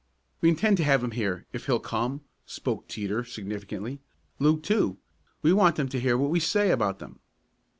"We intend to have him here if he'll come," spoke Teeter significantly. "Luke, too. We want them to hear what we say about them."